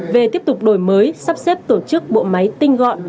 về tiếp tục đổi mới sắp xếp tổ chức bộ máy tinh gọn